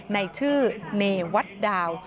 ในชื่อเนวัตดาว